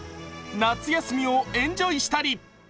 夏休みをエンジョイしたり。